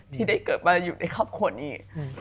ที่ได้เกิดมาอยู่ในครอบครัวนี้